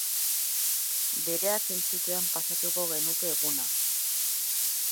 Bereak entzutean pasatuko genuke eguna.